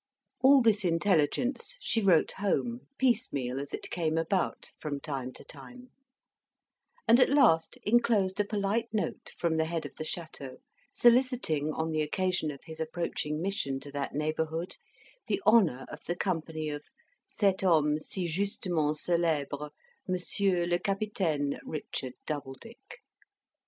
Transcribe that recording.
All this intelligence she wrote home, piecemeal as it came about, from time to time; and at last enclosed a polite note, from the head of the chateau, soliciting, on the occasion of his approaching mission to that neighbourhood, the honour of the company of cet homme si justement celebre, Monsieur le Capitaine Richard Doubledick.